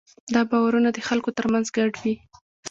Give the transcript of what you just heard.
دا باورونه د خلکو ترمنځ ګډ وي.